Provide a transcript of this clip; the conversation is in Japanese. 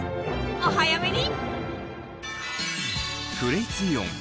お早めに！